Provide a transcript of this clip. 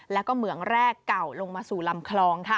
แล้วก็เหมืองแรกเก่าลงมาสู่ลำคลองค่ะ